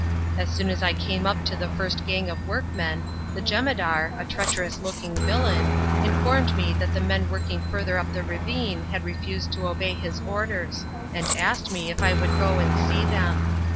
As soon as I came up to the first gang of workmen, the jemadar, a treacherous looking villain, informed me that the men working further up the ravine had refused to obey his orders, and asked me if I would go and see them.